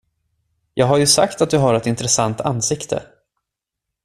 Jag har ju sagt att du har ett intressant ansikte.